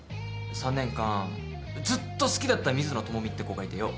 ３年間ずっと好きだったミズノトモミって子がいてよ。